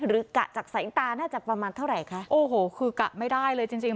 กะจากสายตาน่าจะประมาณเท่าไหร่คะโอ้โหคือกะไม่ได้เลยจริงจริง